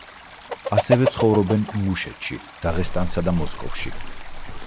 ასევე ცხოვრობენ ინგუშეთში, დაღესტანსა და მოსკოვში.